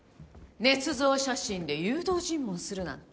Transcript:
捏造写真で誘導尋問するなんて。